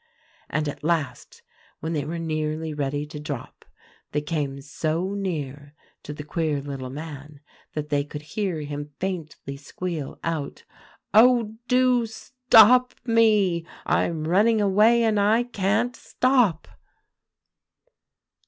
And at last when they were nearly ready to drop, they came so near to the queer little man that they could hear him faintly squeal out, 'Oh, do stop me! I'm running away, and I can't stop.